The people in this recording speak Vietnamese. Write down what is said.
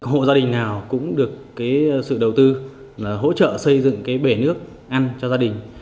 hộ gia đình nào cũng được sự đầu tư hỗ trợ xây dựng bể nước ăn cho gia đình